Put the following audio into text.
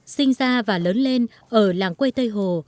sinh ra và lớn lên ở làng quê tây hồ